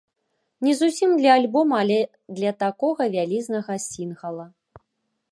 Не зусім для альбома, але для такога вялізнага сінгала.